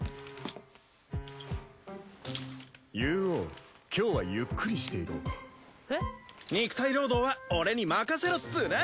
ユウオウ今日はゆっくりしていろ。えっ？肉体労働は俺に任せろっツーナ。